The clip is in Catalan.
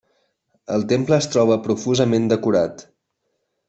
El temple es troba profusament decorat.